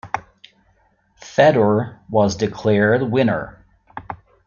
Fedor was declared winner.